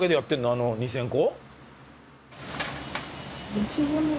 あの２０００個？